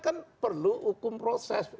kan perlu hukum proses